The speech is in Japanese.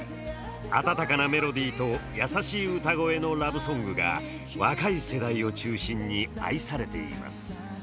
温かなメロディーと優しい歌声のラブソングが若い世代を中心に愛されています。